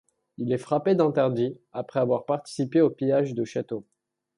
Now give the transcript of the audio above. Il est frappé d’interdit après avoir participé au pillage de châteaux.